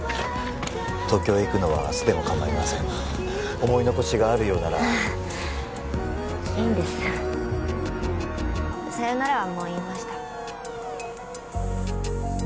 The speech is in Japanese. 東京へ行くのは明日でも構いません思い残しがあるようならいいんですさよならはもう言いました